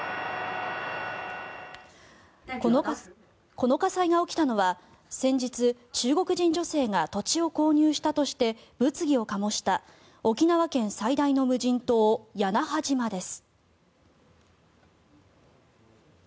この火災が起きたのは先日、中国人女性が土地を購入したとして物議を醸した沖縄県最大の無人島屋那覇島です。